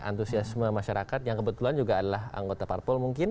antusiasme masyarakat yang kebetulan juga adalah anggota parpol mungkin